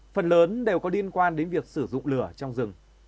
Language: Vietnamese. phần lớn đều có liên quan đến việc sử dụng lửa trong rừng